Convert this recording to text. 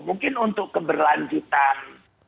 mungkin untuk keberlanjutan